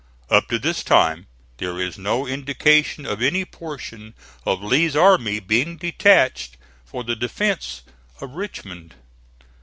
Up to this time there is no indication of any portion of Lee's army being detached for the defence of Richmond.